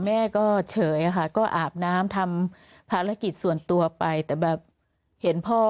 แม่ก็เฉยค่ะก็อาบน้ำทำภารกิจส่วนตัวไปแต่แบบเห็นพ่อ